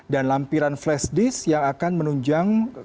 dan lampiran flash disk yang akan menunjang